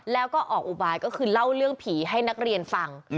แล้วก็ออกอุบายก็คือเล่าเรื่องผีให้นักเรียนฟัง